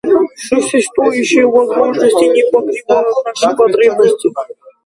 Существующие возможности не покрывают наши потребности.